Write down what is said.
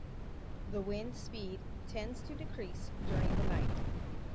The wind speed tends to decrease during the night.